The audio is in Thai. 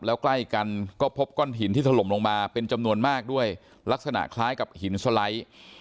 แล้วใกล้กันก็พบก้อนหินที่ถล่มลงมาเป็นจำนวนมากด้วยลักษณะคล้ายกับหินสไลด์